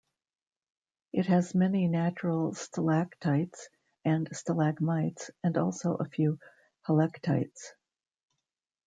It has many natural stalactites and stalagmites, and also a few helictites.